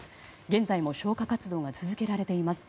現在も消火活動が続けられています。